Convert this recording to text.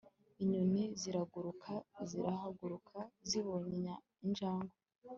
Inyoni ziraguruka zirahaguruka zibonye injangwe